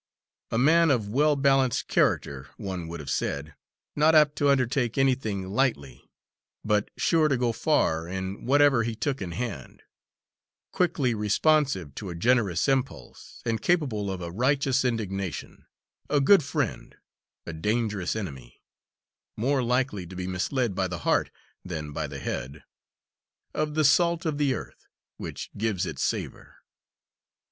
A man of well balanced character, one would have said, not apt to undertake anything lightly, but sure to go far in whatever he took in hand; quickly responsive to a generous impulse, and capable of a righteous indignation; a good friend, a dangerous enemy; more likely to be misled by the heart than by the head; of the salt of the earth, which gives it savour.